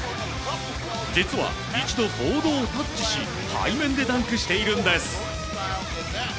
実は一度ボードをタッチし背面でダンクしているんです。